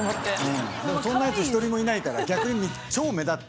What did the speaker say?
そんなやつ１人もいないから逆に超目立って。